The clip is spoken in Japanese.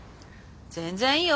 全然いいよ！